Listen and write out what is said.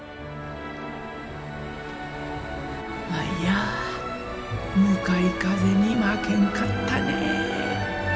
舞や向かい風に負けんかったね。